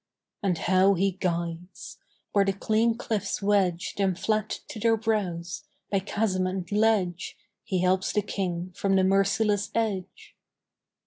And how he guides! where the clean cliffs wedge Them flat to their brows; by chasm and ledge He helps the King from the merciless edge.